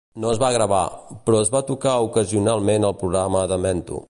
No es va gravar, però es va tocar ocasionalment al programa Demento.